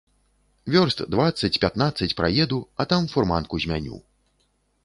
Вёрст дваццаць, пятнаццаць праеду, а там фурманку змяню.